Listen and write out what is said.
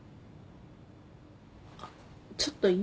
あっちょっといい？